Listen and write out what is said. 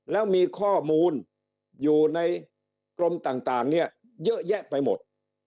แล้วมีข้อมูลอยู่ในกรมต่างเนี่ยเยอะแยะไปหมด